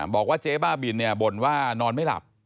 บอกว่าเจ๊บ้าบินเนี่ยบ่นว่านอนไม่หลับ